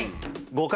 ５回？